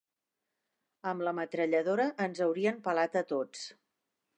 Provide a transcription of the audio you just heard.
Amb la metralladora ens haurien pelat a tots.